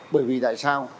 bởi vì tại sao